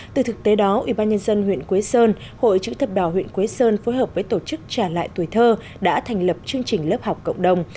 từ thực tế đó ubnd huyện quế sơn hội chữ thập đỏ huyện quế sơn phối hợp với tổ chức trả lại tuổi thơ đã thành lập chương trình lớp học cộng đồng